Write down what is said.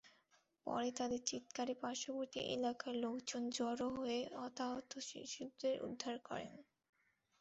পরে তাদের চিৎকারে পার্শ্ববর্তী এলাকার লোকজন জড়ো হয়ে হতাহত শিশুদের উদ্ধার করেন।